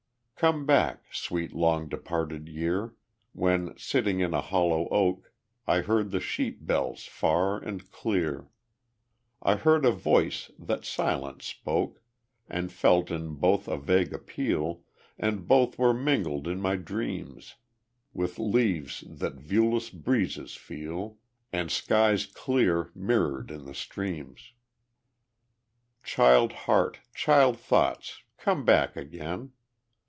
Come back, sweet long departed year, When, sitting in a hollow oak, I heard the sheep bells far and clear, I heard a voice that silent spoke, And felt in both a vague appeal, And both were mingled in my dreams With leaves that viewless breezes feel, And skies clear mirrored in the streams. Child heart, child thoughts, come back again!